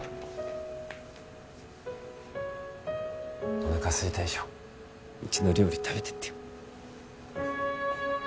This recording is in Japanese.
おなかすいたでしょうちの料理食べてってよ